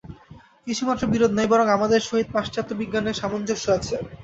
কিছুমাত্র বিরোধ নাই, বরং আমাদের সহিত পাশ্চাত্য বিজ্ঞানের সামঞ্জস্য আছে।